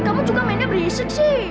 kamu juga mainnya berisik sih